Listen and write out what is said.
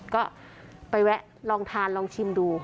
ก็ไปแวะลองทานลองชิมดู